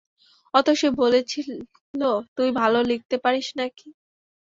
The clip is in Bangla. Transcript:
অতসী বলছিল তুই ভালো লিখতে পারিস নাকি!